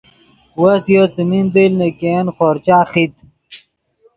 وس یو څیمین دیل نے ګین خورچہ خیت